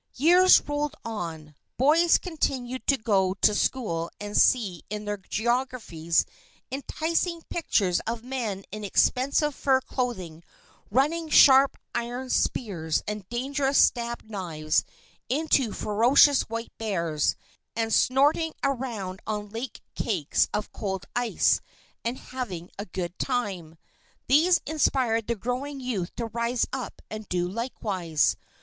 Years rolled on, boys continued to go to school and see in their geographies enticing pictures of men in expensive fur clothing running sharp iron spears and long dangerous stab knives into ferocious white bears and snorting around on large cakes of cold ice and having a good time. These inspired the growing youth to rise up and do likewise.